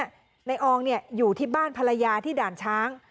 นายอองอยู่ที่บ้านภรรยาที่ด่านช้าง